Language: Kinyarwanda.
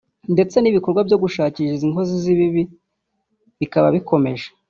ndetse n’ibikorwa byo gushakisha izi nkozi z’ibibi bikaba bikomeje